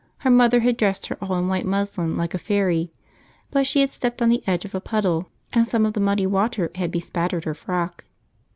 Her mother had dressed her all in white muslin like a fairy, but she had stepped on the edge of a puddle, and some of the muddy water had bespattered her frock.